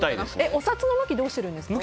お札の向きはどうしてるんですか？